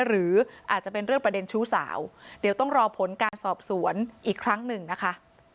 หรืออาจจะเป็นเรื่องประเด็นชู้สาวเดี๋ยวต้องรอผลการสอบสวนอีกครั้งหนึ่งนะคะ